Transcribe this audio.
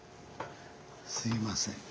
すいませんね。